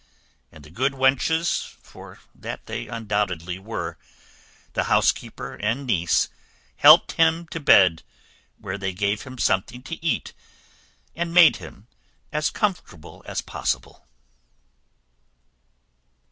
And the good wenches (for that they undoubtedly were), the housekeeper and niece, helped him to bed, where they gave him something to eat and made him as comfortable as possible.